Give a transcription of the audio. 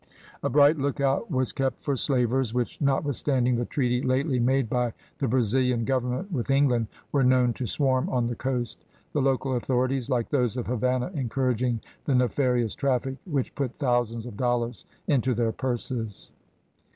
A bright lookout was kept for slavers, which, notwithstanding the treaty lately made by the Brazilian Government with England, were known to swarm on the coast; the local authorities, like those of Havannah, encouraging the nefarious traffic, which put thousands of dollars into their purses.